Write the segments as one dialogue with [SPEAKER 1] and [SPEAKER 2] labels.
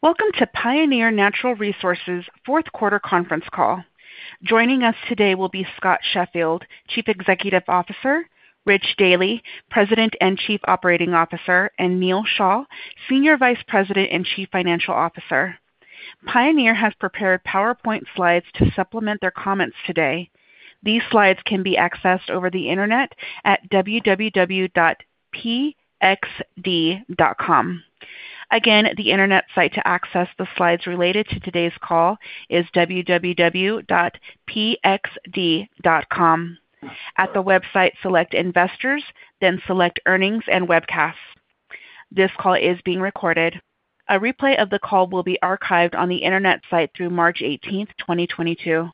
[SPEAKER 1] Welcome to Pioneer Natural Resources Fourth Quarter Conference Call. Joining us today will be Scott Sheffield, Chief Executive Officer, Rich Dealy, President and Chief Operating Officer, and Neal H. Shah, Senior Vice President and Chief Financial Officer. Pioneer has prepared PowerPoint slides to supplement their comments today. These slides can be accessed over the internet at www.pxd.com. Again, the internet site to access the slides related to today's call is www.pxd.com. At the website, select Investors, then select Earnings and Webcasts. This call is being recorded. A replay of the call will be archived on the internet site through March 18, 2022.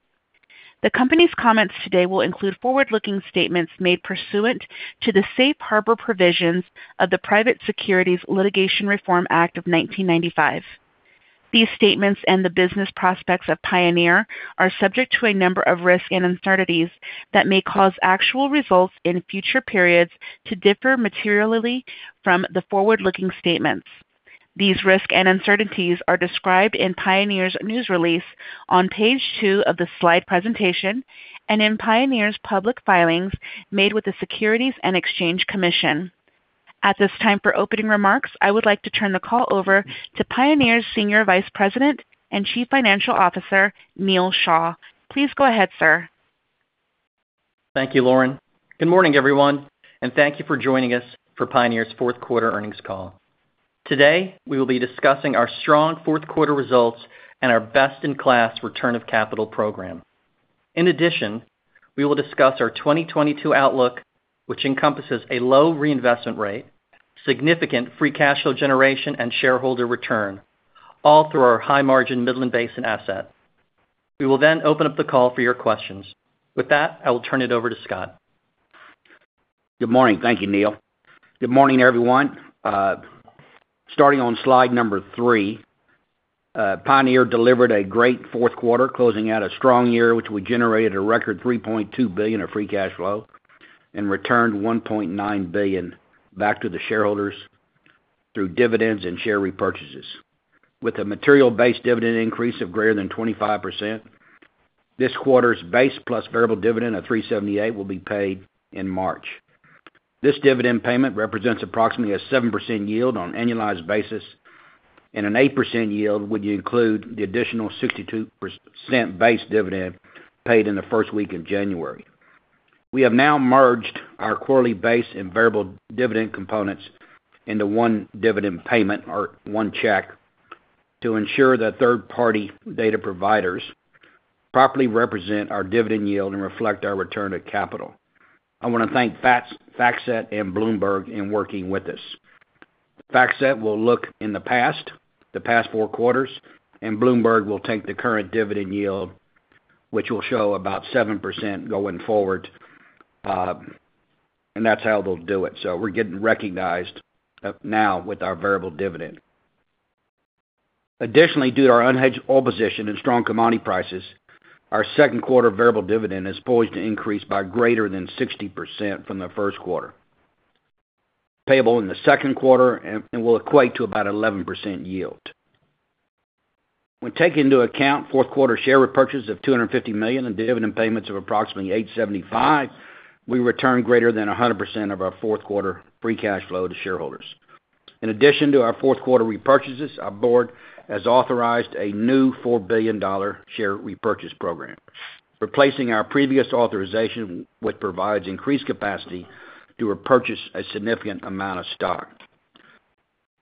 [SPEAKER 1] The company's comments today will include forward-looking statements made pursuant to the safe harbor provisions of the Private Securities Litigation Reform Act of 1995. These statements and the business prospects of Pioneer are subject to a number of risks and uncertainties that may cause actual results in future periods to differ materially from the forward-looking statements. These risks and uncertainties are described in Pioneer's news release on page two of the slide presentation and in Pioneer's public filings made with the Securities and Exchange Commission. At this time, for opening remarks, I would like to turn the call over to Pioneer's Senior Vice President and Chief Financial Officer, Neal H. Shah. Please go ahead, sir.
[SPEAKER 2] Thank you, Lauren. Good morning, everyone, and thank you for joining us for Pioneer's fourth quarter earnings call. Today, we will be discussing our strong fourth quarter results and our best-in-class return of capital program. In addition, we will discuss our 2022 outlook, which encompasses a low reinvestment rate, significant free cash flow generation, and shareholder return, all through our high-margin Midland Basin asset. We will then open up the call for your questions. With that, I will turn it over to Scott.
[SPEAKER 3] Good morning. Thank you, Neal. Good morning, everyone. Starting on slide number three, Pioneer delivered a great fourth quarter, closing out a strong year, which we generated a record $3.2 billion of free cash flow and returned $1.9 billion back to the shareholders through dividends and share repurchases. With a material base dividend increase of greater than 25%, this quarter's base plus variable dividend of $3.78 will be paid in March. This dividend payment represents approximately a 7% yield on annualized basis and an 8% yield when you include the additional 62% base dividend paid in the first week of January. We have now merged our quarterly base and variable dividend components into one dividend payment or one check to ensure that third-party data providers properly represent our dividend yield and reflect our return to capital. I wanna thank FactSet and Bloomberg for working with us. FactSet will look at the past four quarters, and Bloomberg will take the current dividend yield, which will show about 7% going forward, and that's how they'll do it. We're getting recognized up now with our variable dividend. Additionally, due to our unhedged oil position and strong commodity prices, our second quarter variable dividend is poised to increase by greater than 60% from the first quarter, payable in the second quarter and will equate to about 11% yield. When taking into account fourth quarter share repurchases of $250 million and dividend payments of approximately $875 million, we return greater than 100% of our fourth quarter free cash flow to shareholders. In addition to our fourth quarter repurchases, our board has authorized a new $4 billion share repurchase program, replacing our previous authorization, which provides increased capacity to repurchase a significant amount of stock.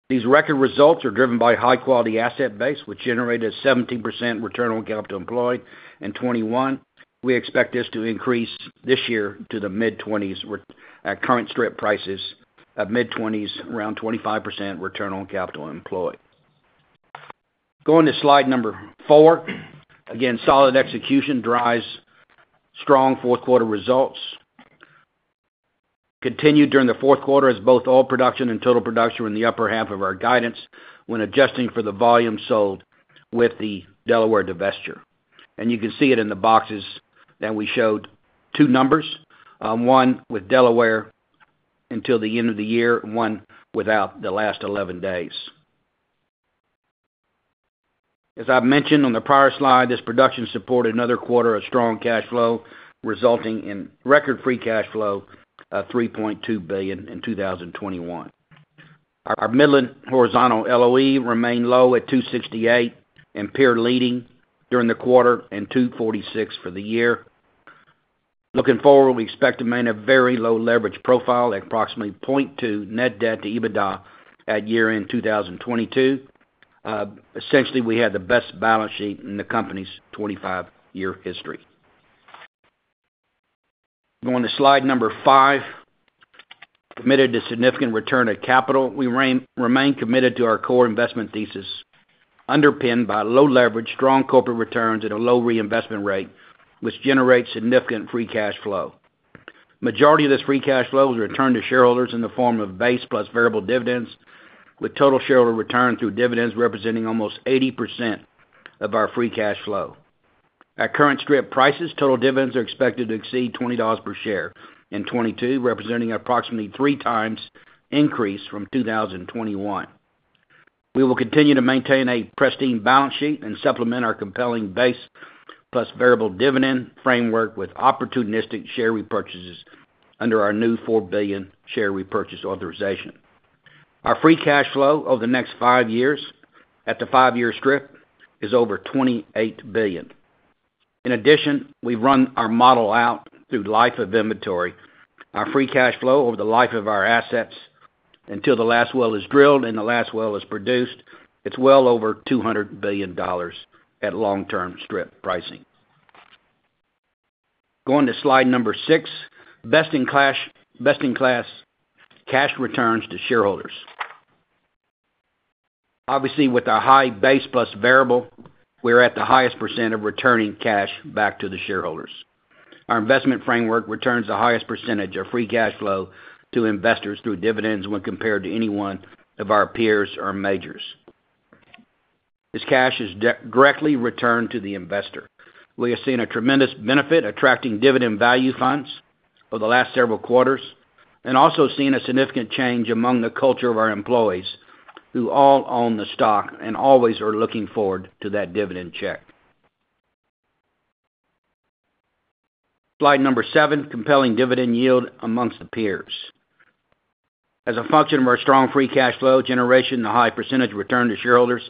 [SPEAKER 3] These record results are driven by high-quality asset base, which generated a 17% return on capital employed in 2021. We expect this to increase this year to the mid-20s with, at current strip prices, at mid-20s, around 25% return on capital employed. Going to slide number four. Again, solid execution drives strong fourth quarter results continued during the fourth quarter as both oil production and total production were in the upper half of our guidance when adjusting for the volume sold with the Delaware divestiture. You can see it in the boxes that we showed two numbers, one with Delaware until the end of the year, and one without the last 11 days. As I've mentioned on the prior slide, this production supported another quarter of strong cash flow, resulting in record free cash flow of $3.2 billion in 2021. Our Midland horizontal LOE remained low at $268 and peer-leading during the quarter and $246 for the year. Looking forward, we expect to maintain a very low leverage profile at approximately 0.2 net debt to EBITDA at year-end 2022. Essentially, we have the best balance sheet in the company's 25-year history. Going to slide number five. Committed to significant return to capital. We remain committed to our core investment thesis, underpinned by low leverage, strong corporate returns at a low reinvestment rate, which generates significant free cash flow. Majority of this free cash flow is returned to shareholders in the form of base plus variable dividends, with total shareholder return through dividends representing almost 80% of our free cash flow. At current strip prices, total dividends are expected to exceed $20 per share in 2022, representing approximately three times increase from 2021. We will continue to maintain a pristine balance sheet and supplement our compelling base plus variable dividend framework with opportunistic share repurchases under our new $4 billion share repurchase authorization. Our free cash flow over the next five years at the five-year strip is over $28 billion. In addition, we run our model out through life of inventory. Our free cash flow over the life of our assets until the last well is drilled and the last well is produced, it's well over $200 billion at long-term strip pricing. Going to slide six, best-in-class cash returns to shareholders. Obviously, with a high base plus variable, we're at the highest % of returning cash back to the shareholders. Our investment framework returns the highest percentage of free cash flow to investors through dividends when compared to any one of our peers or majors. This cash is directly returned to the investor. We have seen a tremendous benefit attracting dividend value funds over the last several quarters, and also seen a significant change among the culture of our employees, who all own the stock and always are looking forward to that dividend check. Slide seven, compelling dividend yield among the peers. As a function of our strong free cash flow generation and a high percentage return to shareholders,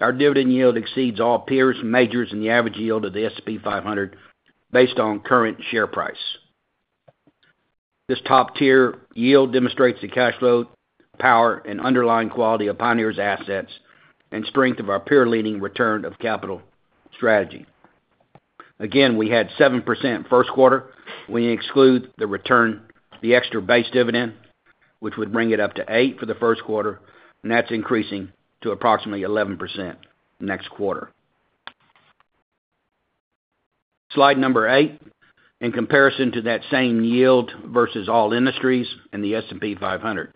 [SPEAKER 3] our dividend yield exceeds all peers, majors, and the average yield of the S&P 500 based on current share price. This top-tier yield demonstrates the cash flow, power, and underlying quality of Pioneer's assets and strength of our peer-leading return of capital strategy. We had 7% first quarter. We exclude the return, the extra base dividend, which would bring it up to 8% for the first quarter, and that's increasing to approximately 11% next quarter. Slide number eight, in comparison to that same yield versus all industries and the S&P 500.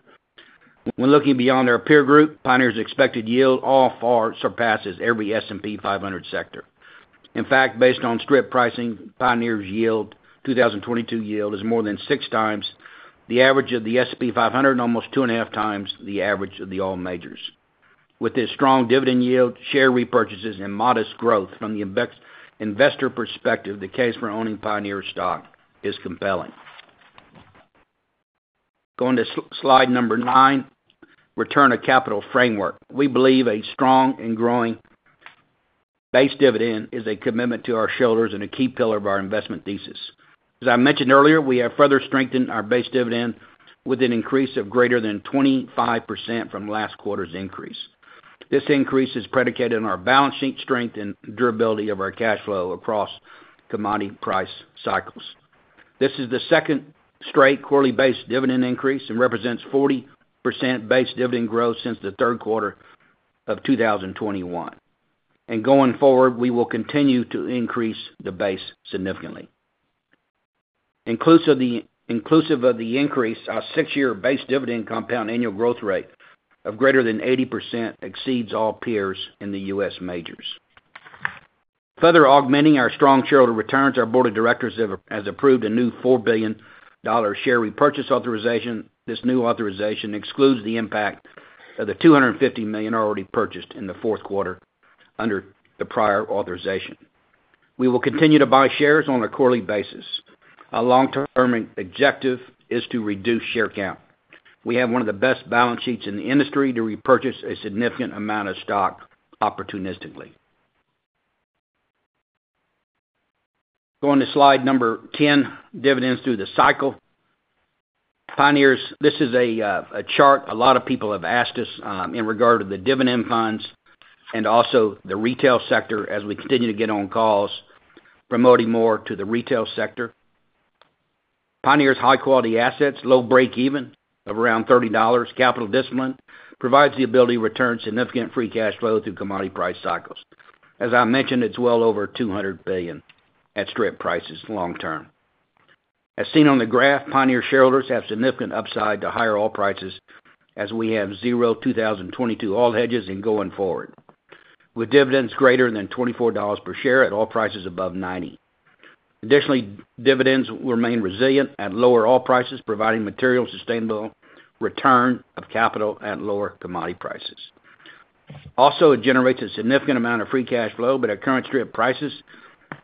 [SPEAKER 3] When looking beyond our peer group, Pioneer's expected yield also far surpasses every S&P 500 sector. In fact, based on strip pricing, Pioneer's yield, 2022 yield is more than six times the average of the S&P 500 and almost 2.5 times the average of the oil majors. With this strong dividend yield, share repurchases, and modest growth from the investor perspective, the case for owning Pioneer stock is compelling. Going to slide number nine, return of capital framework. We believe a strong and growing base dividend is a commitment to our shareholders and a key pillar of our investment thesis. As I mentioned earlier, we have further strengthened our base dividend with an increase of greater than 25% from last quarter's increase. This increase is predicated on our balance sheet strength and durability of our cash flow across commodity price cycles. This is the second straight quarterly base dividend increase and represents 40% base dividend growth since the third quarter of 2021. Going forward, we will continue to increase the base significantly. Inclusive of the increase, our six-year base dividend compound annual growth rate of greater than 80% exceeds all peers in the U.S. majors. Further augmenting our strong shareholder returns, our board of directors has approved a new $4 billion share repurchase authorization. This new authorization excludes the impact of the $250 million already purchased in the fourth quarter under the prior authorization. We will continue to buy shares on a quarterly basis. Our long-term objective is to reduce share count. We have one of the best balance sheets in the industry to repurchase a significant amount of stock opportunistically. Going to slide number 10, dividends through the cycle. Pioneer's. This is a chart a lot of people have asked us in regard to the dividend funds and also the retail sector as we continue to get on calls promoting more to the retail sector. Pioneer's high-quality assets, low breakeven of around $30 capital discipline provides the ability to return significant free cash flow through commodity price cycles. As I mentioned, it's well over $200 billion at strip prices long term. As seen on the graph, Pioneer shareholders have significant upside to higher oil prices as we have zero 2022 oil hedges and going forward, with dividends greater than $24 per share at oil prices above $90. Additionally, dividends will remain resilient at lower oil prices, providing material sustainable return of capital at lower commodity prices. Also, it generates a significant amount of free cash flow, but at current strip prices,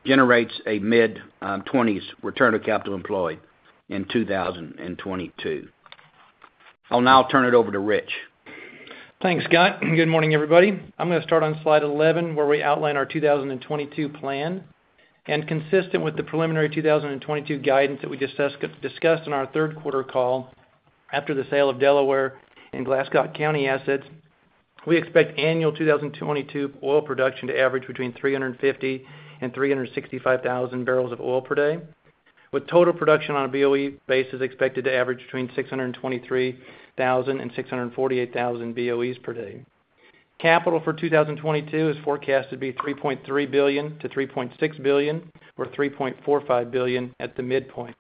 [SPEAKER 3] generates a mid-twenties return on capital employed in 2022. I'll now turn it over to Rich.
[SPEAKER 4] Thanks, Scott. Good morning, everybody. I'm gonna start on slide 11, where we outline our 2022 plan. Consistent with the preliminary 2022 guidance that we discussed on our third quarter call after the sale of Delaware and Glasscock County assets, we expect annual 2022 oil production to average between 350 and 365 thousand barrels of oil per day, with total production on a BOE basis expected to average between 623 and 648 thousand BOEs per day. Capital for 2022 is forecast to be $3.3 billion-$3.6 billion, or $3.45 billion at the midpoint.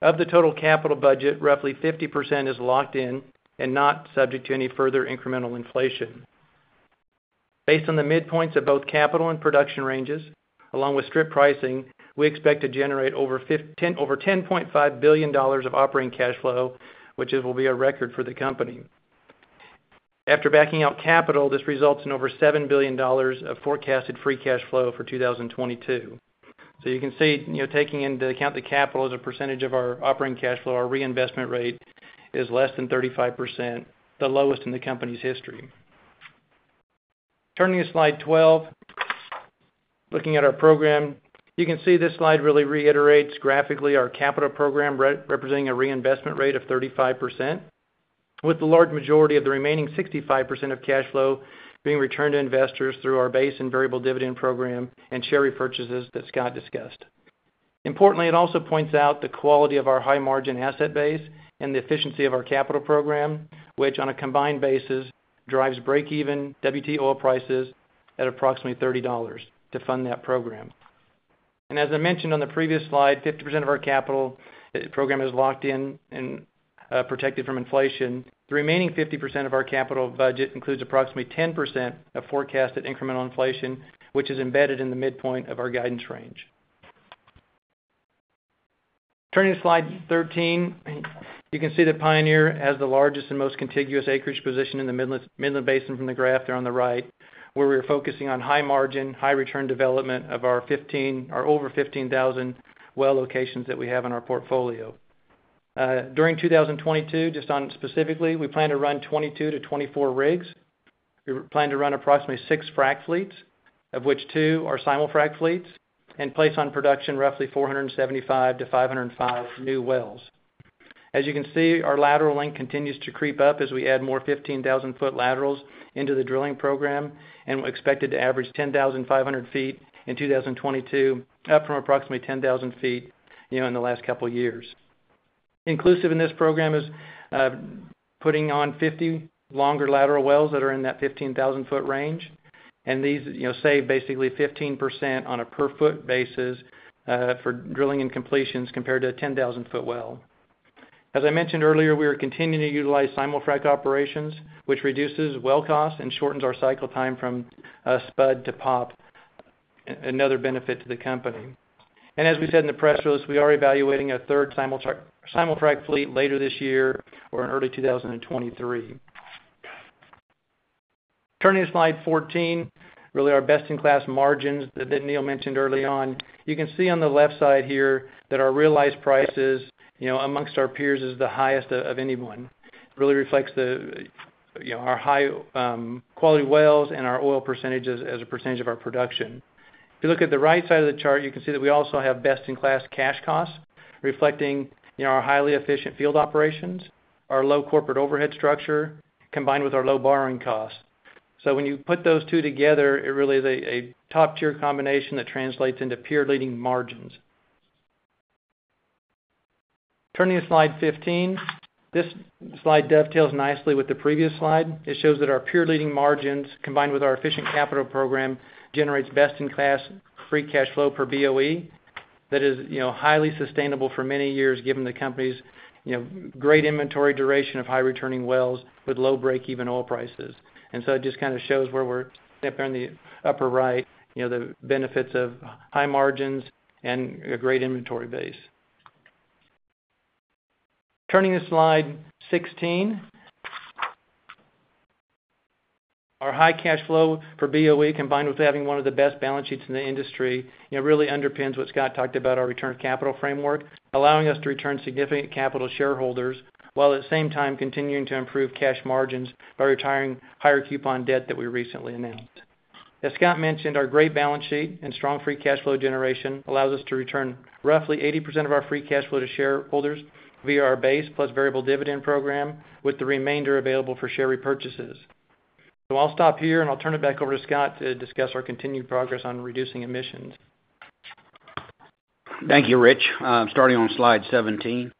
[SPEAKER 4] Of the total capital budget, roughly 50% is locked in and not subject to any further incremental inflation. Based on the midpoints of both capital and production ranges, along with strip pricing, we expect to generate over $10.5 billion of operating cash flow, which will be a record for the company. After backing out capital, this results in over $7 billion of forecasted free cash flow for 2022. You can see, you know, taking into account the capital as a percentage of our operating cash flow, our reinvestment rate is less than 35%, the lowest in the company's history. Turning to slide 12, looking at our program, you can see this slide really reiterates graphically our capital program representing a reinvestment rate of 35%, with the large majority of the remaining 65% of cash flow being returned to investors through our base and variable dividend program and share repurchases that Scott discussed. Importantly, it also points out the quality of our high-margin asset base and the efficiency of our capital program, which, on a combined basis, drives break-even WTI oil prices at approximately $30 to fund that program. As I mentioned on the previous slide, 50% of our capital program is locked in and protected from inflation. The remaining 50% of our capital budget includes approximately 10% of forecasted incremental inflation, which is embedded in the midpoint of our guidance range. Turning to slide 13, you can see that Pioneer has the largest and most contiguous acreage position in the Midland Basin from the graph there on the right, where we are focusing on high margin, high return development of our over 15,000 well locations that we have in our portfolio. During 2022, just on specifically, we plan to run 22-24 rigs. We plan to run approximately 6 frac fleets, of which two are simulfrac fleets, and place on production roughly 475-505 new wells. As you can see, our lateral length continues to creep up as we add more 15,000-foot laterals into the drilling program, and we're expected to average 10,500 feet in 2022, up from approximately 10,000 feet, you know, in the last couple years. Inclusive in this program is putting on 50 longer lateral wells that are in that 15,000-foot range, and these, you know, save basically 15% on a per foot basis for drilling and completions compared to a 10,000-foot well. As I mentioned earlier, we are continuing to utilize simulfrac operations, which reduces well cost and shortens our cycle time from spud to POP, another benefit to the company. As we said in the press release, we are evaluating a third simulfrac fleet later this year or in early 2023. Turning to slide 14, really our best-in-class margins that Neal mentioned early on. You can see on the left side here that our realized prices, you know, amongst our peers, is the highest of anyone. Really reflects the, you know, our high quality wells and our oil percentages as a percentage of our production. If you look at the right side of the chart, you can see that we also have best-in-class cash costs reflecting, you know, our highly efficient field operations, our low corporate overhead structure, combined with our low borrowing costs. When you put those two together, it really is a top-tier combination that translates into peer-leading margins. Turning to slide 15. This slide dovetails nicely with the previous slide. It shows that our peer-leading margins, combined with our efficient capital program, generates best-in-class free cash flow per BOE that is, you know, highly sustainable for many years, given the company's, you know, great inventory duration of high-returning wells with low break-even oil prices. It just kind of shows where we're at there in the upper right, you know, the benefits of high margins and a great inventory base. Turning to slide 16. Our high cash flow per BOE, combined with having one of the best balance sheets in the industry, you know, really underpins what Scott talked about, our return of capital framework, allowing us to return significant capital to shareholders, while at the same time continuing to improve cash margins by retiring higher coupon debt that we recently announced. As Scott mentioned, our great balance sheet and strong free cash flow generation allows us to return roughly 80% of our free cash flow to shareholders via our base plus variable dividend program, with the remainder available for share repurchases. I'll stop here, and I'll turn it back over to Scott to discuss our continued progress on reducing emissions.
[SPEAKER 3] Thank you, Rich. Starting on slide 17,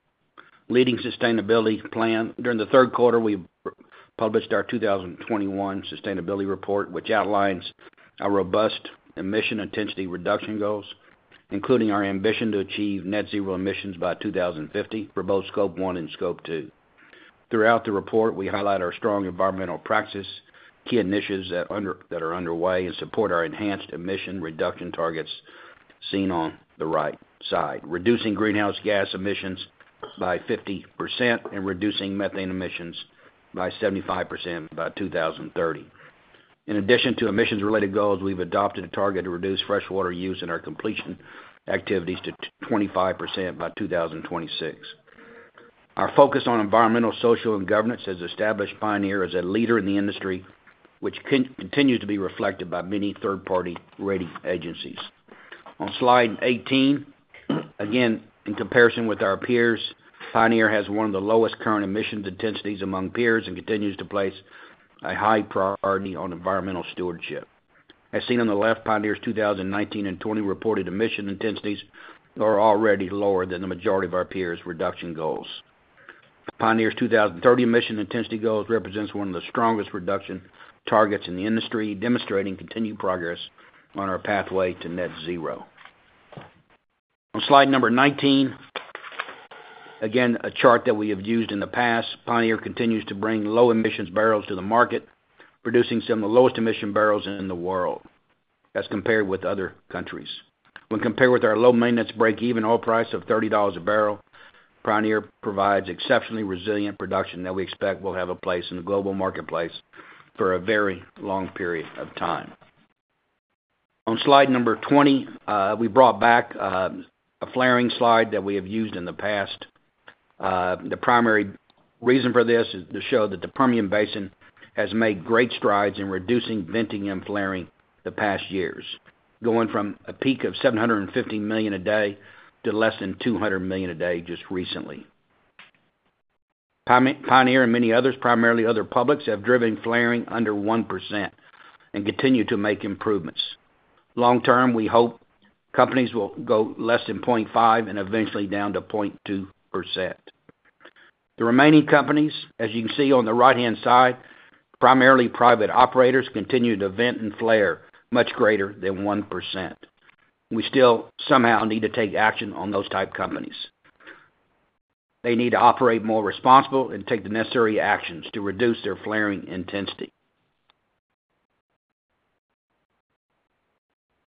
[SPEAKER 3] leading sustainability plan. During the third quarter, we published our 2021 sustainability report, which outlines our robust emission intensity reduction goals, including our ambition to achieve net zero emissions by 2050 for both Scope 1 and Scope 2. Throughout the report, we highlight our strong environmental practices, key initiatives that are underway, and support our enhanced emission reduction targets seen on the right side, reducing greenhouse gas emissions by 50% and reducing methane emissions by 75% by 2030. In addition to emissions-related goals, we've adopted a target to reduce freshwater use in our completion activities to 25% by 2026. Our focus on environmental, social, and governance has established Pioneer as a leader in the industry, which continues to be reflected by many third-party rating agencies. On slide 18, again, in comparison with our peers, Pioneer has one of the lowest current emissions intensities among peers and continues to place a high priority on environmental stewardship. As seen on the left, Pioneer's 2019 and 2020 reported emission intensities are already lower than the majority of our peers' reduction goals. Pioneer's 2030 emission intensity goals represents one of the strongest reduction targets in the industry, demonstrating continued progress on our pathway to net zero. On slide number 19, again, a chart that we have used in the past. Pioneer continues to bring low emissions barrels to the market, producing some of the lowest emission barrels in the world as compared with other countries. When compared with our low maintenance break-even oil price of $30 a barrel, Pioneer provides exceptionally resilient production that we expect will have a place in the global marketplace for a very long period of time. On slide number 20, we brought back a flaring slide that we have used in the past. The primary reason for this is to show that the Permian Basin has made great strides in reducing venting and flaring the past years, going from a peak of 750 million a day to less than 200 million a day just recently. Pioneer and many others, primarily other publics, have driven flaring under 1% and continue to make improvements. Long term, we hope companies will go less than 0.5% and eventually down to 0.2%. The remaining companies, as you can see on the right-hand side, primarily private operators, continue to vent and flare much greater than 1%. We still somehow need to take action on those type companies. They need to operate more responsible and take the necessary actions to reduce their flaring intensity.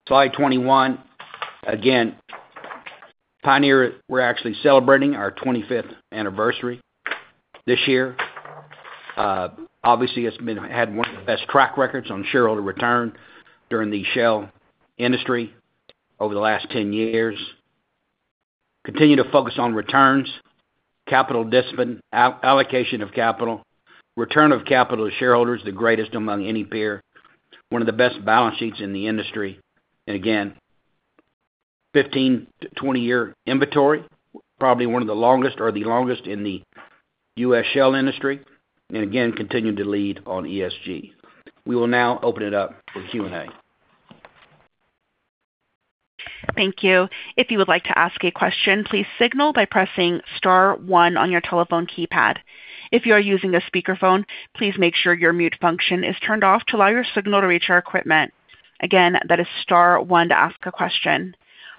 [SPEAKER 3] Slide 21. Again, Pioneer, we're actually celebrating our 25th anniversary this year. Obviously, it's had one of the best track records on shareholder return during the shale industry over the last 10 years. Continue to focus on returns, capital discipline, allocation of capital, return of capital to shareholders, the greatest among any peer, one of the best balance sheets in the industry. Again, 15- to 20-year inventory, probably one of the longest or the longest in the U.S. shale industry, and again, continuing to lead on ESG. We will now open it up for Q&A.
[SPEAKER 1] Thank you. If you would like to ask a question, please signal by pressing star one on your telephone keypad. If you are using a speakerphone, please make sure your mute function is turned off to allow your signal to reach our equipment. Again, that is star one to ask a question.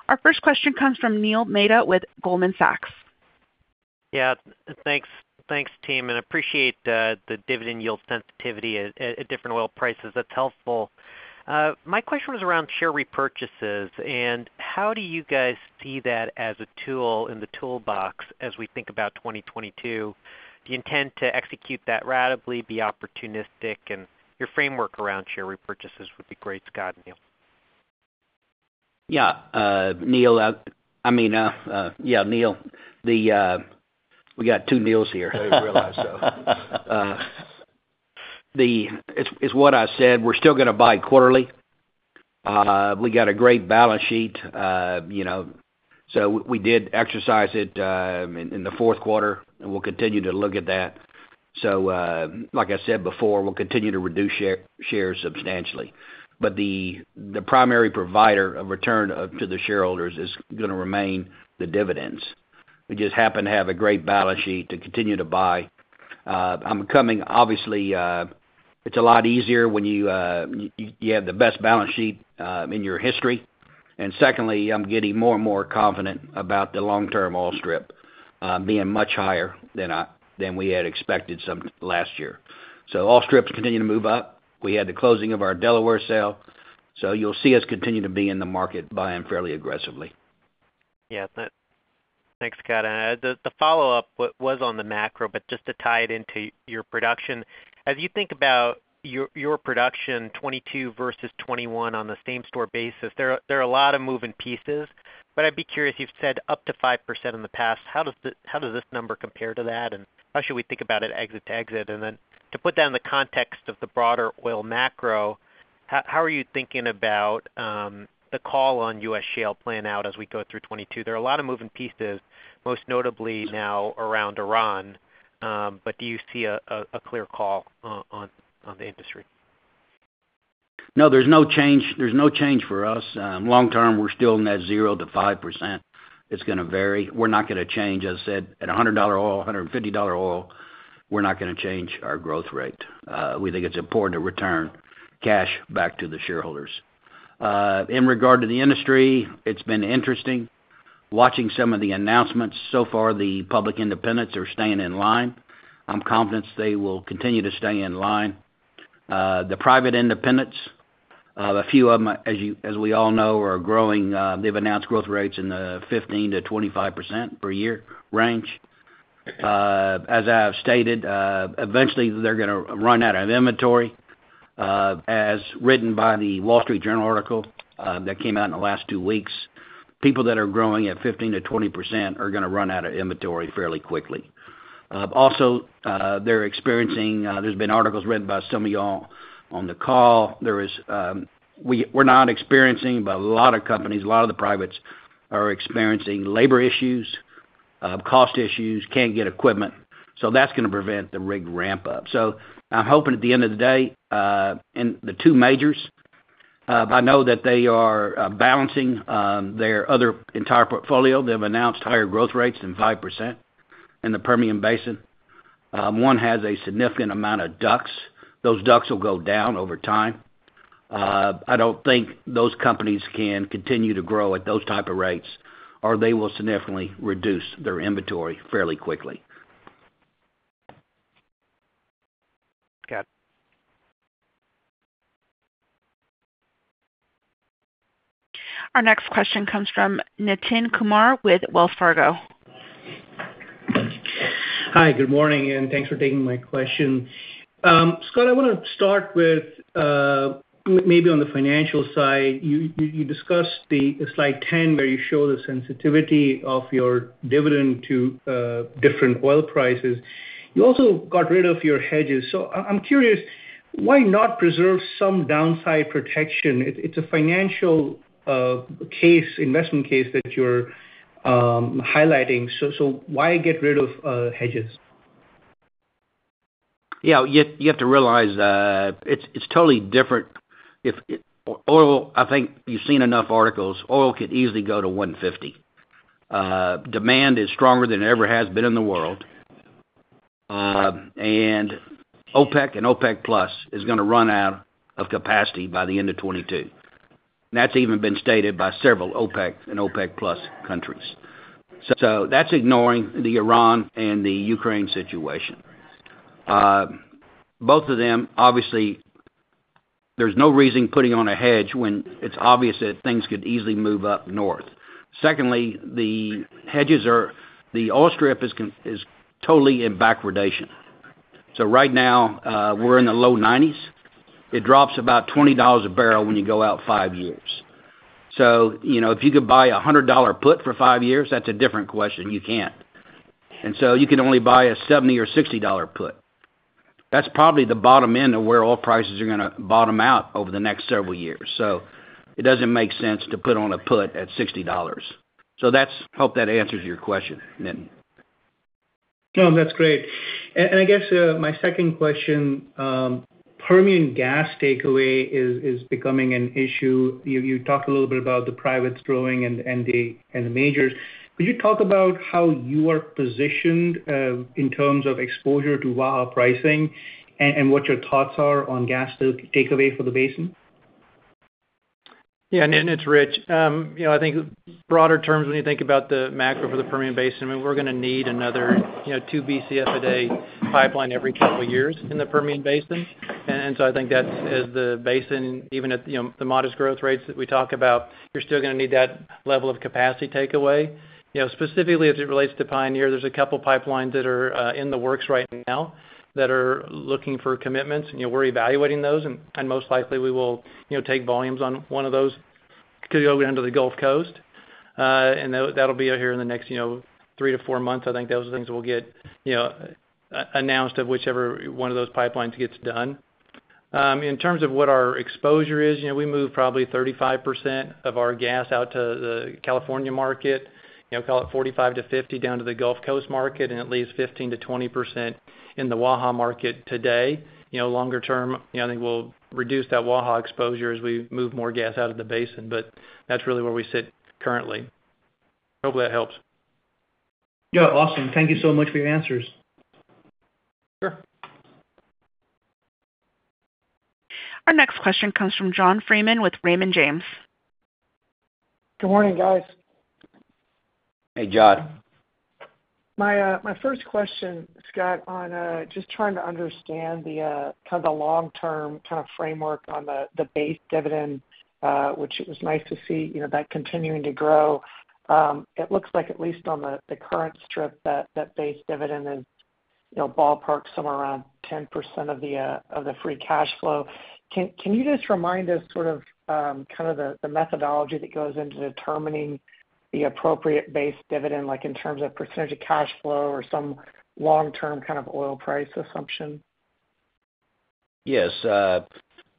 [SPEAKER 1] Our first question comes from Mehta with Goldman Sachs.
[SPEAKER 5] Yeah. Thanks, team, and appreciate the dividend yield sensitivity at different oil prices. That's helpful. My question was around share repurchases and how do you guys see that as a tool in the toolbox as we think about 2022? Do you intend to execute that ratably, be opportunistic? Your framework around share repurchases would be great. Scott, and then Neal.
[SPEAKER 3] Yeah, Neil. I mean, we got two Neils here.
[SPEAKER 5] I realize.
[SPEAKER 3] It's what I said, we're still gonna buy quarterly. We got a great balance sheet, you know, so we did exercise it in the fourth quarter, and we'll continue to look at that. Like I said before, we'll continue to reduce shares substantially. The primary provider of return to the shareholders is gonna remain the dividends. We just happen to have a great balance sheet to continue to buy. It's a lot easier when you have the best balance sheet in your history. Secondly, I'm getting more and more confident about the long-term oil strip being much higher than we had expected some last year. Oil strips continue to move up. We had the closing of our Delaware sale, so you'll see us continue to be in the market, buying fairly aggressively.
[SPEAKER 5] Yeah. Thanks, Scott. The follow-up was on the macro, but just to tie it into your production. As you think about your production, 2022 versus 2021 on the same store basis, there are a lot of moving pieces. But I'd be curious, you've said up to 5% in the past. How does this number compare to that, and how should we think about it exit to exit? To put that in the context of the broader oil macro, how are you thinking about the call on U.S. shale plan out as we go through 2022? There are a lot of moving pieces, most notably now around Iran, but do you see a clear call on the industry?
[SPEAKER 3] No, there's no change. There's no change for us. Long term, we're still net 0%-5%. It's gonna vary. We're not gonna change. As I said, at $100 oil, $150 oil, we're not gonna change our growth rate. We think it's important to return cash back to the shareholders. In regard to the industry, it's been interesting watching some of the announcements. So far, the public independents are staying in line. I'm confident they will continue to stay in line. The private independents, a few of them, as you, as we all know, are growing. They've announced growth rates in the 15%-25% per year range. As I have stated, eventually they're gonna run out of inventory. As written by the Wall Street Journal article that came out in the last two weeks, people that are growing at 15%-20% are gonna run out of inventory fairly quickly. Also, they're experiencing, there's been articles written by some of y'all on the call. There is, we're not experiencing, but a lot of companies, a lot of the privates are experiencing labor issues, cost issues, can't get equipment. That's gonna prevent the rig ramp up. I'm hoping at the end of the day, and the two majors. I know that they are balancing their other entire portfolio. They've announced higher growth rates than 5% in the Permian Basin. One has a significant amount of DUCs. Those DUCs will go down over time. I don't think those companies can continue to grow at those type of rates, or they will significantly reduce their inventory fairly quickly.
[SPEAKER 5] Got it.
[SPEAKER 1] Our next question comes from Nitin Kumar with Wells Fargo.
[SPEAKER 6] Hi, good morning, and thanks for taking my question. Scott, I wanna start with maybe on the financial side. You discussed the slide 10, where you show the sensitivity of your dividend to different oil prices. You also got rid of your hedges. I'm curious, why not preserve some downside protection? It's a financial case, investment case that you're highlighting. Why get rid of hedges?
[SPEAKER 3] Yeah, you have to realize it's totally different if oil. I think you've seen enough articles. Oil could easily go to $150. Demand is stronger than it ever has been in the world. OPEC and OPEC+ is gonna run out of capacity by the end of 2022. That's even been stated by several OPEC and OPEC+ countries. So that's ignoring the Iran and the Ukraine situation. Both of them, obviously, there's no reason putting on a hedge when it's obvious that things could easily move up north. Secondly, the oil strip is totally in backwardation. So right now, we're in the low 90s. It drops about $20 a barrel when you go out 5 years. You know, if you could buy a $100 put for five years, that's a different question. You can't. You can only buy a $70 or $60 put. That's probably the bottom end of where oil prices are gonna bottom out over the next several years. It doesn't make sense to put on a put at $60. That's. Hope that answers your question, Nitin.
[SPEAKER 6] No, that's great. I guess my second question, Permian gas takeaway is becoming an issue. You talked a little bit about the privates growing and the majors. Could you talk about how you are positioned in terms of exposure to Waha pricing and what your thoughts are on gas takeaway for the basin?
[SPEAKER 4] Yeah, Nitin, it's Rich. You know, I think broader terms, when you think about the macro for the Permian Basin, I mean, we're gonna need another, you know, 2 BCF a day pipeline every couple years in the Permian Basin. And so I think that as the basin, even at, you know, the modest growth rates that we talk about, you're still gonna need that level of capacity takeaway. You know, specifically as it relates to Pioneer, there's a couple pipelines that are in the works right now that are looking for commitments. You know, we're evaluating those and most likely we will, you know, take volumes on one of those to go into the Gulf Coast. And that'll be out here in the next, you know, 3-4 months. I think those are things we'll get, you know, an announcement of whichever one of those pipelines gets done. In terms of what our exposure is, you know, we move probably 35% of our gas out to the California market, you know, call it 45-50 down to the Gulf Coast market, and at least 15%-20% in the Waha market today. You know, longer term, you know, I think we'll reduce that Waha exposure as we move more gas out of the basin. That's really where we sit currently. Hopefully, that helps.
[SPEAKER 6] Yeah, awesome. Thank you so much for your answers.
[SPEAKER 4] Sure.
[SPEAKER 1] Our next question comes from John Freeman with Raymond James.
[SPEAKER 7] Good morning, guys.
[SPEAKER 3] Hey, John.
[SPEAKER 7] My first question, Scott, on just trying to understand the kind of the long-term kind of framework on the base dividend, which it was nice to see, you know, that continuing to grow. It looks like at least on the current strip that the base dividend is, you know, ballparked somewhere around 10% of the free cash flow. Can you just remind us sort of kind of the methodology that goes into determining the appropriate base dividend, like in terms of percentage of cash flow or some long-term kind of oil price assumption?
[SPEAKER 3] Yes.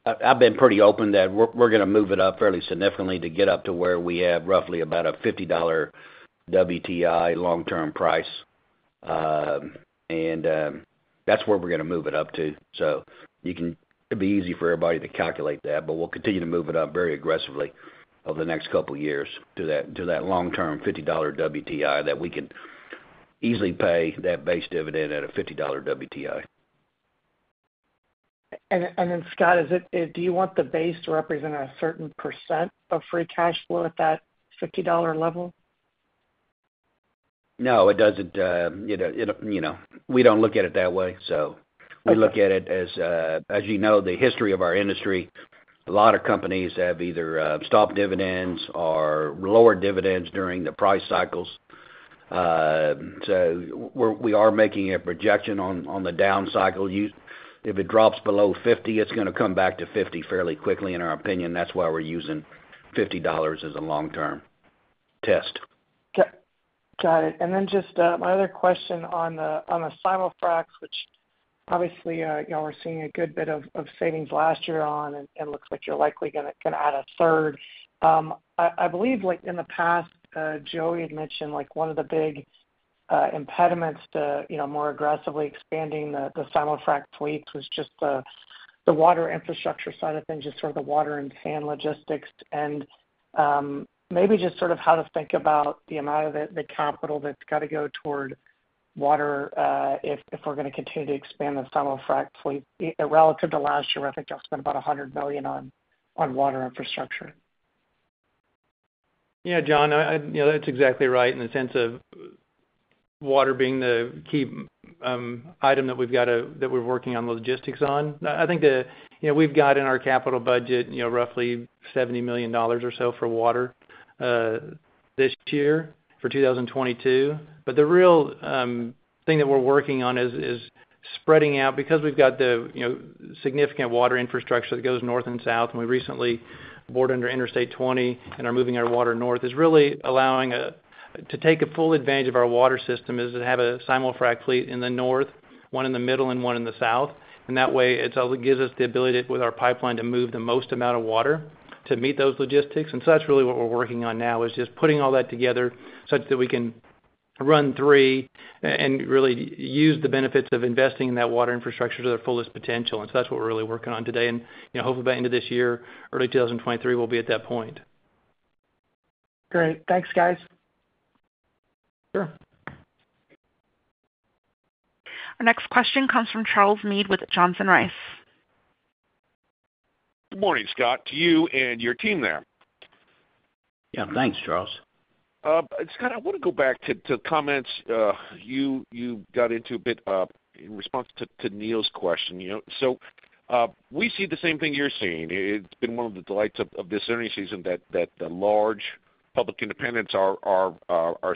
[SPEAKER 3] I've been pretty open that we're gonna move it up fairly significantly to get up to where we have roughly about a $50 WTI long-term price. That's where we're gonna move it up to. It'd be easy for everybody to calculate that, but we'll continue to move it up very aggressively over the next couple years to that long-term $50 WTI that we can easily pay that base dividend at a $50 WTI.
[SPEAKER 7] Scott, is it do you want the base to represent a certain % of free cash flow at that $50 level?
[SPEAKER 3] No, it doesn't. It, you know, we don't look at it that way.
[SPEAKER 7] Okay.
[SPEAKER 3] We look at it as you know, the history of our industry, a lot of companies have either stopped dividends or lowered dividends during the price cycles. We are making a projection on the down cycle. If it drops below 50, it's gonna come back to 50 fairly quickly, in our opinion. That's why we're using $50 as a long-term test.
[SPEAKER 7] Okay. Got it. Just my other question on the simulfracs, which obviously, you know, we're seeing a good bit of savings last year on and looks like you're likely gonna add a third. I believe like in the past, Joey had mentioned like one of the big Impediments to, you know, more aggressively expanding the simulfrac fleet was just the water infrastructure side of things, just sort of the water and sand logistics. Maybe just sort of how to think about the amount of it, the capital that's got to go toward water, if we're gonna continue to expand the simulfrac fleet. Relative to last year, I think y'all spent about $100 million on water infrastructure.
[SPEAKER 4] Yeah, John, I. You know, that's exactly right in the sense of water being the key item that we're working on the logistics on. I think, you know, we've got in our capital budget, you know, roughly $70 million or so for water this year for 2022. But the real thing that we're working on is spreading out because we've got the, you know, significant water infrastructure that goes north and south, and we recently bored under Interstate 20 and are moving our water north is really allowing to take full advantage of our water system is to have a simulfrac fleet in the north, one in the middle and one in the south. That way, it's all. It gives us the ability with our pipeline to move the most amount of water to meet those logistics. That's really what we're working on now, is just putting all that together such that we can run three and really use the benefits of investing in that water infrastructure to their fullest potential. That's what we're really working on today. You know, hopefully by end of this year, early 2023, we'll be at that point.
[SPEAKER 7] Great. Thanks, guys.
[SPEAKER 4] Sure.
[SPEAKER 1] Our next question comes from Charles Meade with Johnson Rice.
[SPEAKER 8] Good morning, Scott, to you and your team there.
[SPEAKER 3] Yeah, thanks, Charles.
[SPEAKER 8] Scott, I wanna go back to comments you got into a bit in response to Neal's question, you know. We see the same thing you're seeing. It's been one of the delights of this earnings season that the large public independents are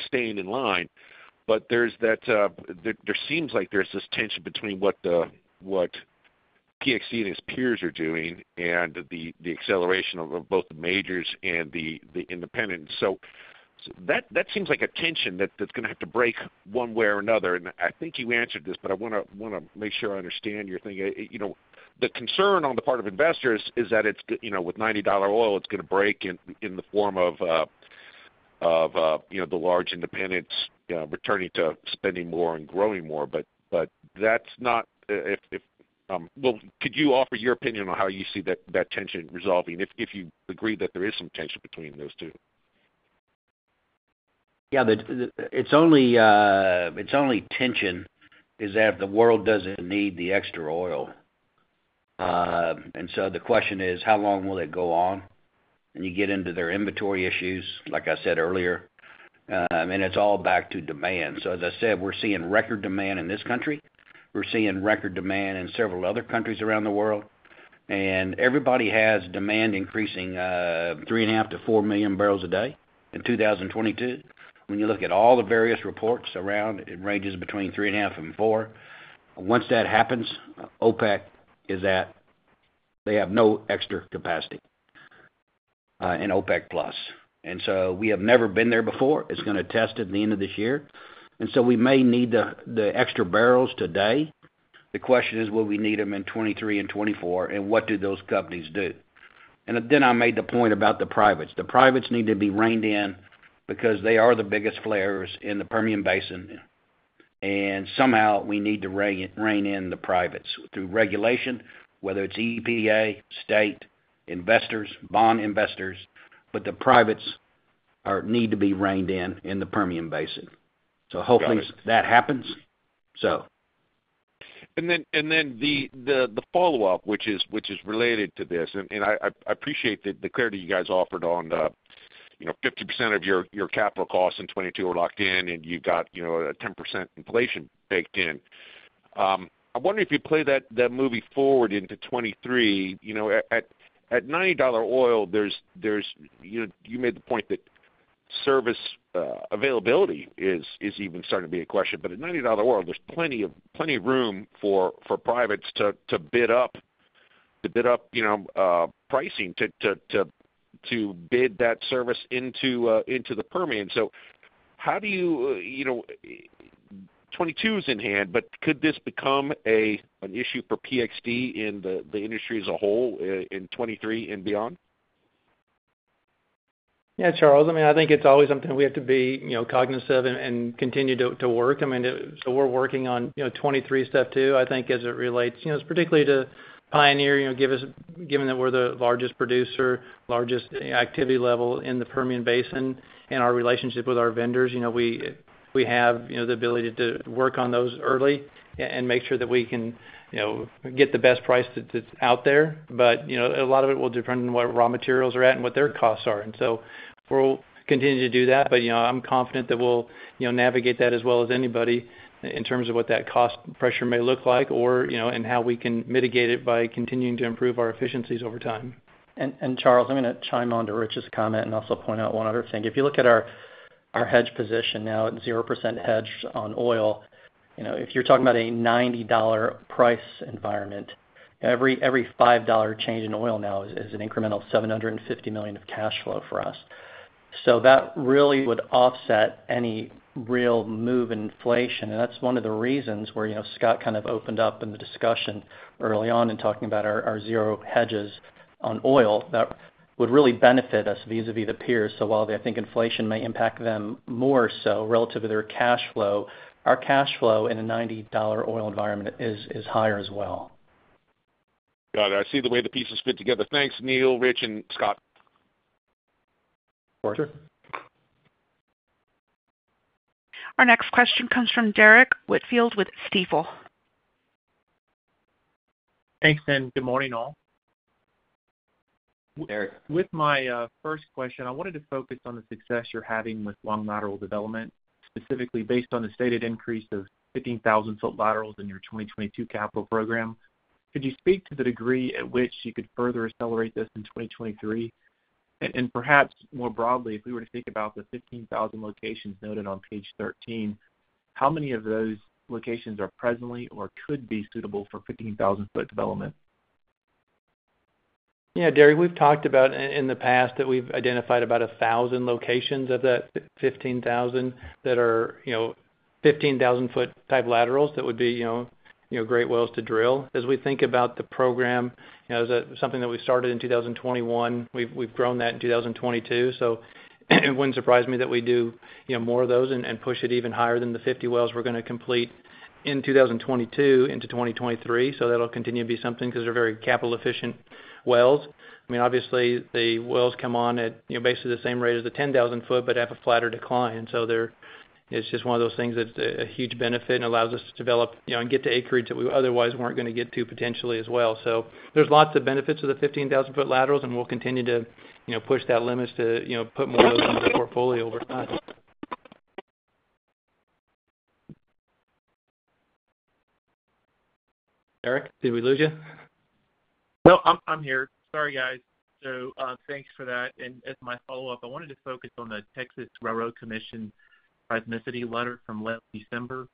[SPEAKER 8] staying in line. There's that, there seems like there's this tension between what PXD and its peers are doing and the acceleration of both the majors and the independents. That seems like a tension that's gonna have to break one way or another. I think you answered this, but I wanna make sure I understand your thinking. The concern on the part of investors is that it's, you know, with $90 oil, it's gonna break in the form of the large independents returning to spending more and growing more. That's not. Well, could you offer your opinion on how you see that tension resolving if you agree that there is some tension between those two?
[SPEAKER 3] Yeah. It's only tension is that the world doesn't need the extra oil. The question is, how long will it go on? You get into their inventory issues, like I said earlier, and it's all back to demand. As I said, we're seeing record demand in this country. We're seeing record demand in several other countries around the world. Everybody has demand increasing 3.5-4 million barrels a day in 2022. When you look at all the various reports around, it ranges between 3.5-4. Once that happens, OPEC is at. They have no extra capacity in OPEC+. We have never been there before. It's gonna test at the end of this year. We may need the extra barrels today. The question is, will we need them in 2023 and 2024, and what do those companies do? I made the point about the privates. The privates need to be reined in because they are the biggest flares in the Permian Basin, and somehow we need to rein in the privates through regulation, whether it's EPA, state, investors, bond investors. The privates need to be reined in in the Permian Basin.
[SPEAKER 8] Got it.
[SPEAKER 3] Hopefully that happens.
[SPEAKER 8] The follow-up, which is related to this, and I appreciate the clarity you guys offered on the, you know, 50% of your capital costs in 2022 are locked in and you've got, you know, a 10% inflation baked in. I wonder if you play that movie forward into 2023. You know, at $90 oil, there's, you know, you made the point that service availability is even starting to be a question. But at $90 oil, there's plenty of room for privates to bid up, you know, pricing to bid that service into the Permian. How do you know, 22 is in hand, but could this become an issue for PXD and the industry as a whole in 2023 and beyond?
[SPEAKER 4] Yeah, Charles. I mean, I think it's always something we have to be, you know, cognizant of and continue to work. I mean, we're working on, you know, 2023 stuff, too. I think as it relates, you know, particularly to Pioneer, you know, given that we're the largest producer, largest activity level in the Permian Basin and our relationship with our vendors, you know, we have, you know, the ability to work on those early and make sure that we can, you know, get the best price that's out there. A lot of it will depend on where raw materials are at and what their costs are. We'll continue to do that. I'm confident that we'll, you know, navigate that as well as anybody in terms of what that cost pressure may look like or, you know, and how we can mitigate it by continuing to improve our efficiencies over time.
[SPEAKER 2] Charles, I'm gonna chime in on Rich's comment and also point out one other thing. If you look at our hedge position now at 0% hedge on oil, you know, if you're talking about a $90 price environment, every $5 change in oil now is an incremental $750 million of cash flow for us. That really would offset any real move in inflation. That's one of the reasons where, you know, Scott kind of opened up in the discussion early on in talking about our zero hedges on oil that would really benefit us vis-a-vis the peers. While I think inflation may impact them more so relative to their cash flow, our cash flow in a $90 oil environment is higher as well.
[SPEAKER 8] Got it. I see the way the pieces fit together. Thanks, Neal, Rich, and Scott.
[SPEAKER 4] Operator?
[SPEAKER 1] Our next question comes from Derrick Whitfield with Stifel.
[SPEAKER 9] Thanks, and good morning, all.
[SPEAKER 4] Derrick.
[SPEAKER 9] With my first question, I wanted to focus on the success you're having with long lateral development, specifically based on the stated increase of 15,000-foot laterals in your 2022 capital program. Could you speak to the degree at which you could further accelerate this in 2023? Perhaps more broadly, if we were to think about the 15,000 locations noted on page 13, how many of those locations are presently or could be suitable for 15,000-foot development?
[SPEAKER 4] Yeah, Derrick, we've talked about in the past that we've identified about 1,000 locations of that fifteen thousand that are, you know, 15,000-foot type laterals that would be, you know, you know, great wells to drill. As we think about the program, you know, as something that we started in 2021, we've grown that in 2022. It wouldn't surprise me that we do, you know, more of those and push it even higher than the 50 wells we're gonna complete in 2022 into 2023. That'll continue to be something because they're very capital efficient wells. I mean, obviously, the wells come on at, you know, basically the same rate as a 10,000-foot, but have a flatter decline. It's just one of those things that's a huge benefit and allows us to develop, you know, and get to acreage that we otherwise weren't gonna get to potentially as well. There's lots of benefits of the 15,000-foot laterals, and we'll continue to, you know, push that limit to, you know, put more of those into the portfolio over time. Derrick, did we lose you?
[SPEAKER 9] No, I'm here. Sorry, guys. So, thanks for that. As my follow-up, I wanted to focus on the Texas Railroad Commission seismicity letter from last December.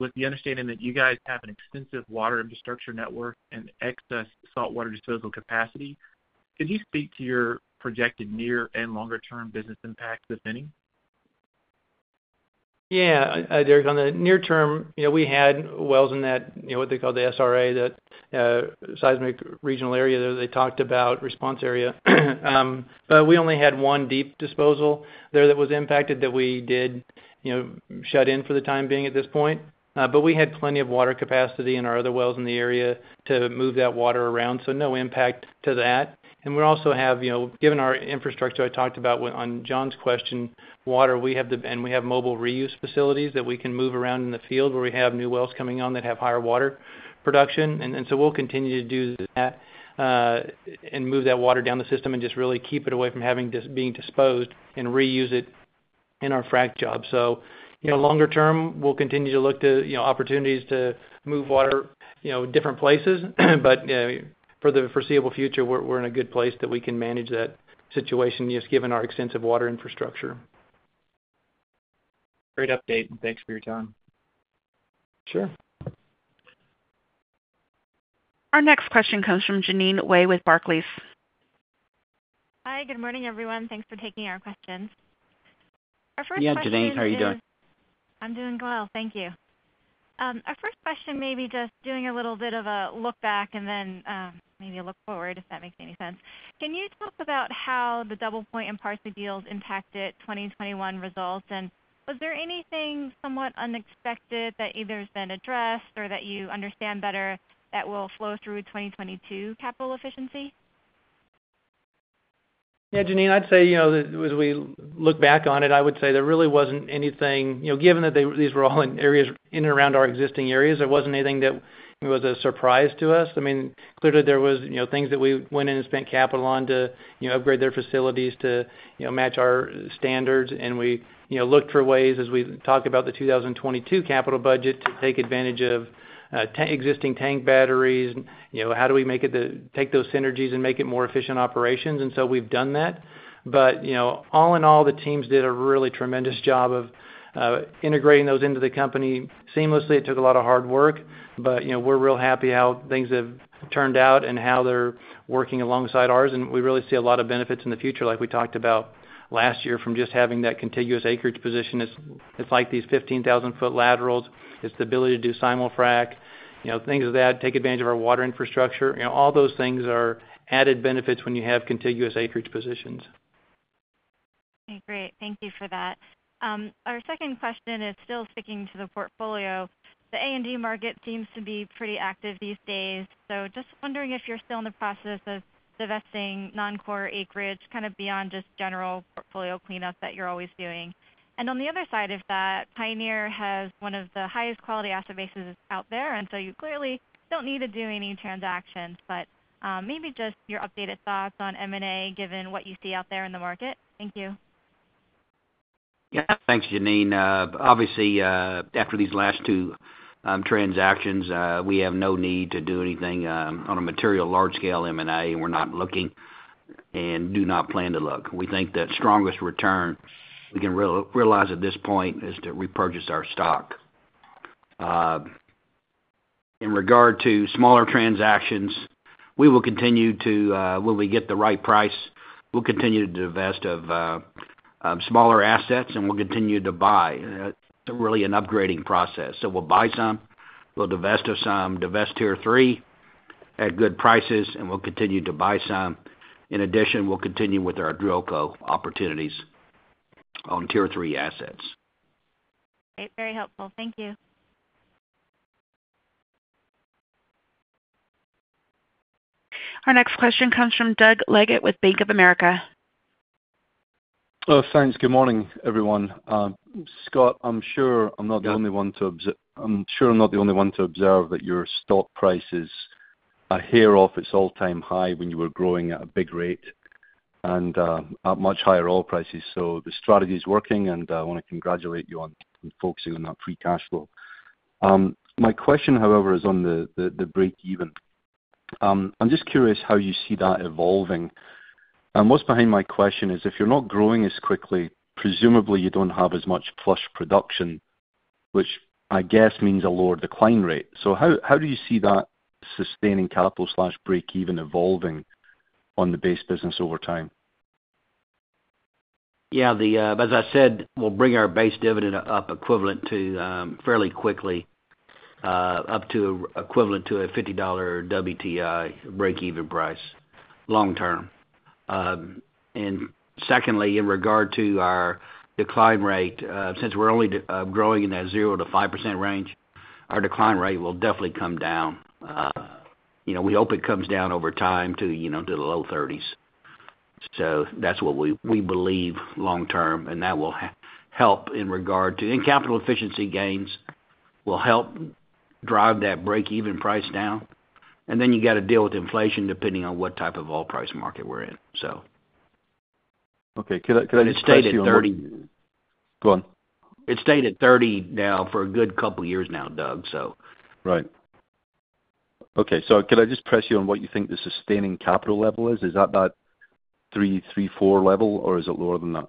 [SPEAKER 9] With the understanding that you guys have an extensive water infrastructure network and excess saltwater disposal capacity, could you speak to your projected near and longer term business impact, if any?
[SPEAKER 4] Yeah. Derrick, on the near term, you know, we had wells in that, you know, what they call the SRA, that Seismic Response Area, they talked about response area. But we only had one deep disposal there that was impacted that we did, you know, shut in for the time being at this point. But we had plenty of water capacity in our other wells in the area to move that water around, so no impact to that. And we also have, you know, given our infrastructure I talked about on John's question, water, we have mobile reuse facilities that we can move around in the field, where we have new wells coming on that have higher water production. We'll continue to do that and move that water down the system and just really keep it away from being disposed and reuse it in our frac job. Longer term, we'll continue to look to, you know, opportunities to move water, you know, different places. You know, for the foreseeable future, we're in a good place that we can manage that situation, just given our extensive water infrastructure.
[SPEAKER 9] Great update, and thanks for your time.
[SPEAKER 4] Sure.
[SPEAKER 1] Our next question comes from Jeanine Wai with Barclays.
[SPEAKER 10] Hi, good morning, everyone. Thanks for taking our questions. Our first question.
[SPEAKER 4] Yeah, Jeanine, how are you doing?
[SPEAKER 10] I'm doing well. Thank you. Our first question may be just doing a little bit of a look back and then, maybe a look forward, if that makes any sense. Can you talk about how the DoublePoint and Parsley deals impacted 2021 results? And was there anything somewhat unexpected that either has been addressed or that you understand better that will flow through 2022 capital efficiency?
[SPEAKER 4] Yeah, Jeanine, I'd say, you know, as we look back on it, I would say there really wasn't anything, you know, given that these were all in areas in and around our existing areas, there wasn't anything that was a surprise to us. I mean, clearly there was, you know, things that we went in and spent capital on to, you know, upgrade their facilities to, you know, match our standards. We, you know, looked for ways as we talked about the 2022 capital budget to take advantage of existing tank batteries. How do we take those synergies and make it more efficient operations? We've done that. All in all, the teams did a really tremendous job of integrating those into the company seamlessly. It took a lot of hard work, but, you know, we're real happy how things have turned out and how they're working alongside ours, and we really see a lot of benefits in the future, like we talked about last year, from just having that contiguous acreage position. It's like these 15,000-foot laterals. It's the ability to do simulfrac, you know, things like that take advantage of our water infrastructure. All those things are added benefits when you have contiguous acreage positions.
[SPEAKER 10] Okay, great. Thank you for that. Our second question is still sticking to the portfolio. The A&D market seems to be pretty active these days. Just wondering if you're still in the process of divesting non-core acreage, kind of beyond just general portfolio cleanup that you're always doing. On the other side of that, Pioneer has one of the highest quality asset bases out there, and so you clearly don't need to do any transactions, but, maybe just your updated thoughts on M&A, given what you see out there in the market. Thank you.
[SPEAKER 3] Yeah. Thanks, Jeanine. Obviously, after these last two transactions, we have no need to do anything on a material large scale M&A. We're not looking and do not plan to look. We think the strongest return we can realize at this point is to repurchase our stock. In regard to smaller transactions, we will continue to, when we get the right price, we'll continue to divest of smaller assets and we'll continue to buy. It's really an upgrading process. We'll buy some, we'll divest of some, divest Tier 3 at good prices, and we'll continue to buy some. In addition, we'll continue with our DrillCo opportunities on Tier 3 assets.
[SPEAKER 10] Great, very helpful. Thank you.
[SPEAKER 1] Our next question comes from Doug Leggate with Bank of America.
[SPEAKER 11] Thanks. Good morning, everyone. Scott, I'm sure I'm not the only one to observe that your stock price is a hair off its all-time high when you were growing at a big rate and at much higher oil prices. The strategy is working, and I wanna congratulate you on focusing on that free cash flow. My question, however, is on the breakeven. I'm just curious how you see that evolving. What's behind my question is, if you're not growing as quickly, presumably you don't have as much flush production, which I guess means a lower decline rate. How do you see that sustaining capital/breakeven evolving on the base business over time?
[SPEAKER 3] Yeah, as I said, we'll bring our base dividend up equivalent to fairly quickly up to equivalent to a $50 WTI breakeven price long term. Secondly, in regard to our decline rate, since we're only growing in that 0%-5% range, our decline rate will definitely come down. You know, we hope it comes down over time to you know to the low thirties. That's what we believe long term, and that will help in regard to. Capital efficiency gains will help drive that breakeven price down. Then you gotta deal with inflation depending on what type of oil price market we're in.
[SPEAKER 11] Okay. Could I just press you on what?
[SPEAKER 3] It stayed at 30.
[SPEAKER 11] Go on.
[SPEAKER 3] It stayed at 30 now for a good couple years now, Doug.
[SPEAKER 11] Right. Okay. Could I just press you on what you think the sustaining capital level is? Is that 334 level, or is it lower than that?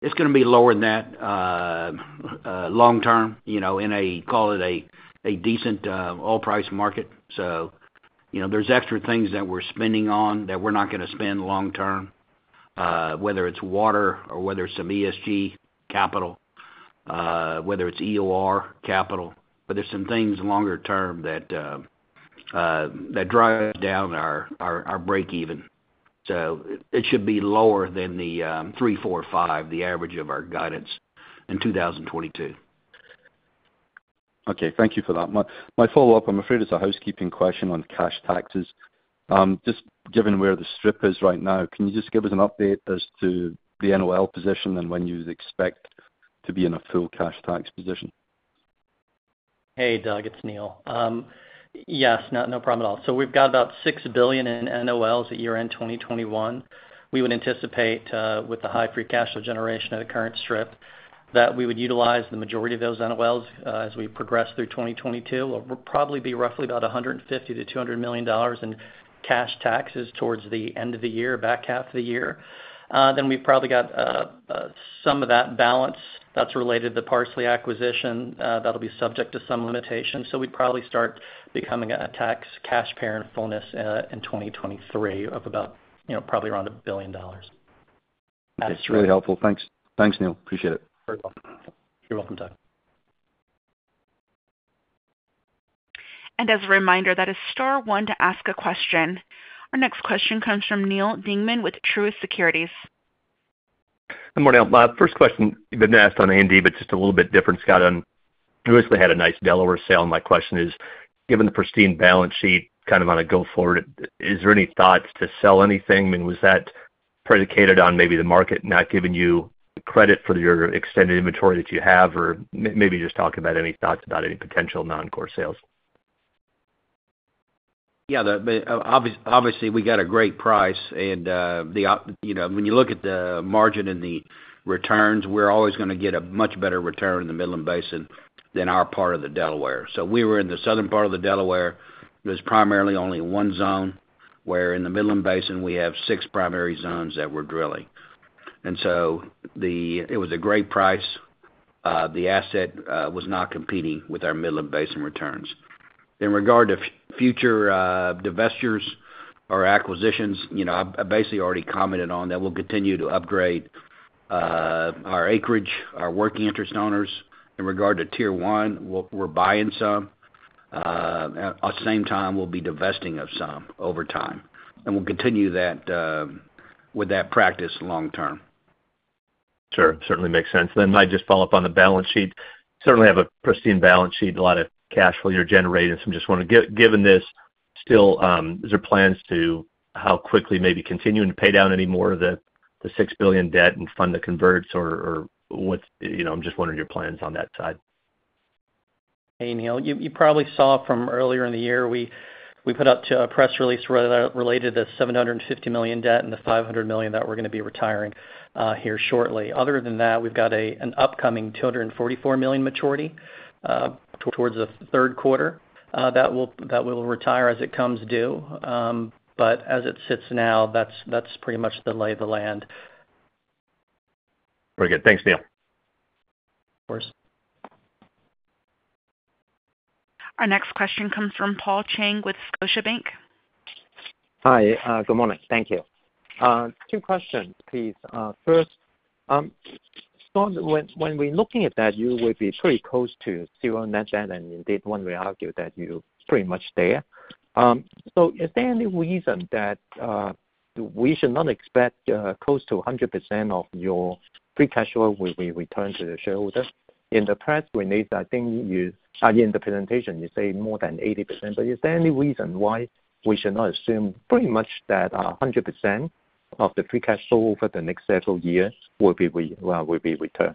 [SPEAKER 3] It's gonna be lower than that, long term, you know, in a call it a decent oil price market. You know, there's extra things that we're spending on that we're not gonna spend long term, whether it's water or whether it's some ESG capital, whether it's EOR capital. There's some things longer term that drive down our breakeven. It should be lower than the $3, $4, $5, the average of our guidance in 2022.
[SPEAKER 11] Okay. Thank you for that. My follow-up, I'm afraid, is a housekeeping question on cash taxes. Just given where the strip is right now, can you just give us an update as to the NOL position and when you expect to be in a full cash tax position?
[SPEAKER 2] Hey, Doug, it's Neal. Yes. No problem at all. We've got about $6 billion in NOLs at year-end 2021. We would anticipate with the high free cash flow generation of the current strip that we would utilize the majority of those NOLs as we progress through 2022. We'll probably be roughly about $150 million-$200 million in cash taxes towards the end of the year, back half of the year. We've probably got some of that balance that's related to Parsley acquisition that'll be subject to some limitations. We'd probably start becoming a tax cash payer in full in 2023 of about probably around $1 billion.
[SPEAKER 11] It's really helpful. Thanks. Thanks, Neal. I appreciate it.
[SPEAKER 2] You're welcome. You're welcome, Doug.
[SPEAKER 1] As a reminder, that is star one to ask a question. Our next question comes from Neal Dingmann with Truist Securities.
[SPEAKER 12] Good morning. My first question, you've been asked on A&D, but just a little bit different, Scott, on you basically had a nice Delaware sale. My question is, given the pristine balance sheet kind of on a go forward, is there any thoughts to sell anything? I mean, was that predicated on maybe the market not giving you credit for your extended inventory that you have? Or maybe just talk about any thoughts about any potential non-core sales.
[SPEAKER 3] Obviously, we got a great price. You know, when you look at the margin and the returns, we're always gonna get a much better return in the Midland Basin than our part of the Delaware. We were in the southern part of the Delaware. There's primarily only one zone, where in the Midland Basin, we have six primary zones that we're drilling. It was a great price. The asset was not competing with our Midland Basin returns. In regard to future divestitures or acquisitions, you know, I basically already commented on that. We'll continue to upgrade our acreage, our working interest owners in regard to Tier 1. We're buying some. At the same time, we'll be divesting of some over time, and we'll continue that with that practice long term.
[SPEAKER 12] Sure. Certainly makes sense. I just follow up on the balance sheet. You certainly have a pristine balance sheet, a lot of cash flow you're generating. I just wanna get, given this still, is there plans to how quickly maybe continuing to pay down any more of the $6 billion debt and fund the converts or what's, you know, I'm just wondering your plans on that side.
[SPEAKER 2] Hey, Neal. You probably saw from earlier in the year, we put out a press release related to $750 million debt and the $500 million that we're gonna be retiring here shortly. Other than that, we've got an upcoming $244 million maturity towards the third quarter that we'll retire as it comes due. As it sits now, that's pretty much the lay of the land.
[SPEAKER 12] Very good. Thanks, Neal.
[SPEAKER 2] Of course.
[SPEAKER 1] Our next question comes from Paul Cheng with Scotiabank.
[SPEAKER 13] Hi. Good morning. Thank you. Two questions, please. First, Scott, when we're looking at that, you will be pretty close to zero net debt, and indeed one may argue that you're pretty much there. So is there any reason that we should not expect close to 100% of your free cash flow will be returned to the shareholders. In the past release, I think in the presentation, you say more than 80%, but is there any reason why we should not assume pretty much that 100% of the free cash flow for the next several years will be returned?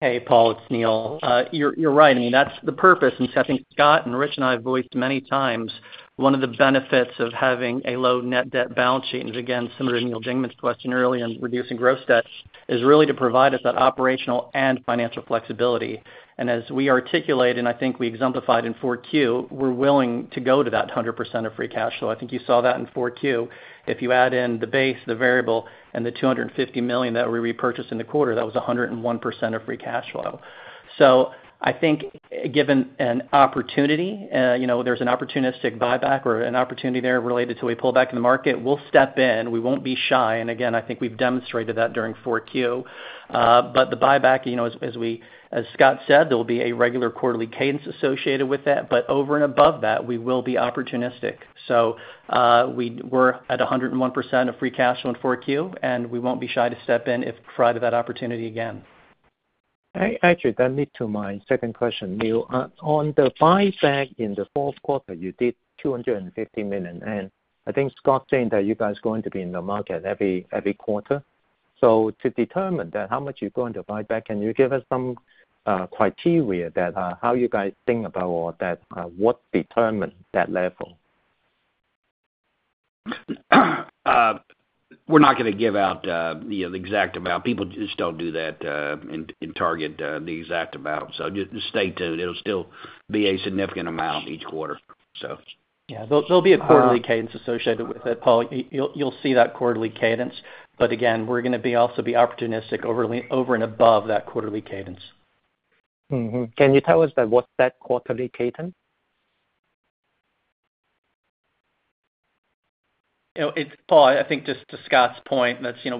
[SPEAKER 2] Hey, Paul, it's Neal. You're right. I mean, that's the purpose. I think Scott and Rich and I have voiced many times one of the benefits of having a low net debt balance sheet. Again, similar to Neal Dingmann's question earlier, in reducing gross debts is really to provide us that operational and financial flexibility. As we articulate, and I think we exemplified in 4Q, we're willing to go to that 100% of free cash flow. I think you saw that in 4Q. If you add in the base, the variable and the $250 million that we repurchased in the quarter, that was 101% of free cash flow. I think given an opportunity, you know, there's an opportunistic buyback or an opportunity there related to a pullback in the market, we'll step in. We won't be shy. Again, I think we've demonstrated that during 4Q. The buyback, you know, as Scott said, there will be a regular quarterly cadence associated with that. Over and above that, we will be opportunistic. We're at 101% of free cash flow in 4Q, and we won't be shy to step in if provided that opportunity again.
[SPEAKER 13] Actually that leads to my second question, Neal. On the buyback in the fourth quarter, you did $250 million, and I think Scott said that you guys are going to be in the market every quarter. To determine how much you're going to buy back, can you give us some criteria that how you guys think about or that what determines that level?
[SPEAKER 3] We're not gonna give out, you know, the exact amount. People just don't do that, and target the exact amount. Just stay tuned. It'll still be a significant amount each quarter, so.
[SPEAKER 2] Yeah. There'll be a quarterly cadence associated with it, Paul. You'll see that quarterly cadence. Again, we're gonna also be opportunistic over and above that quarterly cadence.
[SPEAKER 13] Can you tell us, what's that quarterly cadence?
[SPEAKER 2] Paul, I think just to Scott's point, that's, you know,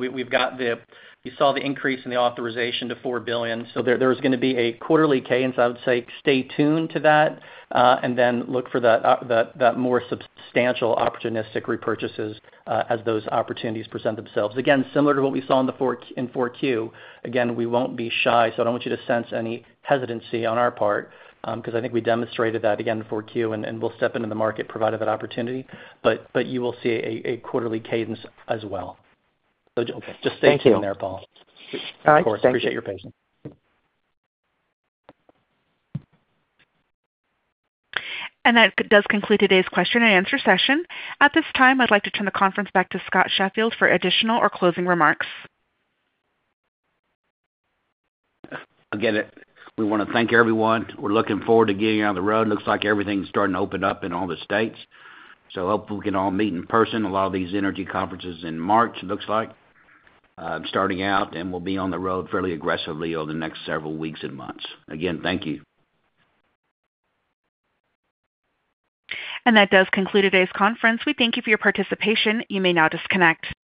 [SPEAKER 2] you saw the increase in the authorization to $4 billion. There's gonna be a quarterly cadence. I would say stay tuned to that, and then look for the more substantial opportunistic repurchases, as those opportunities present themselves. Again, similar to what we saw in 4Q, again, we won't be shy, so I don't want you to sense any hesitancy on our part, because I think we demonstrated that again in 4Q, and we'll step into the market provided that opportunity. You will see a quarterly cadence as well. Just stay tuned there, Paul.
[SPEAKER 13] Thank you. All right. Thank you.
[SPEAKER 2] Of course. I appreciate your patience.
[SPEAKER 1] That does conclude today's question and answer session. At this time, I'd like to turn the conference back to Scott Sheffield for additional or closing remarks.
[SPEAKER 3] Again, we wanna thank everyone. We're looking forward to getting you on the road. Looks like everything's starting to open up in all the states, so hopefully we can all meet in person. A lot of these energy conferences in March, looks like, starting out, and we'll be on the road fairly aggressively over the next several weeks and months. Again, thank you.
[SPEAKER 1] That does conclude today's conference. We thank you for your participation. You may now disconnect.